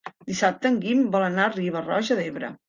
Dissabte en Guim vol anar a Riba-roja d'Ebre.